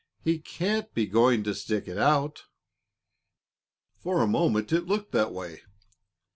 He can't be going to stick it out!" For a moment it looked that way.